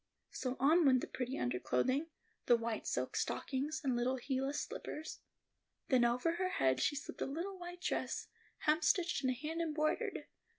So on went the pretty underclothing, the white silk stockings, and little heelless slippers. Then over her head she slipped a little white dress, hemstitched and hand embroidered.